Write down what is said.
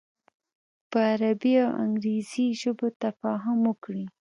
په عربي او انګریزي ژبو تفاهم وکړي.